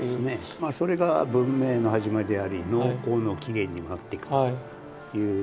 まあそれが文明の始まりであり農耕の起源にもなっていくということだと思うんですよね。